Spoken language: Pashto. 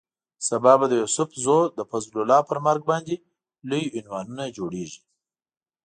سبا به د یوسف زو د فضل الله پر مرګ باندې لوی عنوانونه جوړېږي.